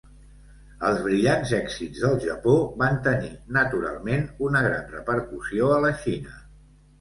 Els brillants èxits del Japó van tenir naturalment una gran repercussió a la Xina.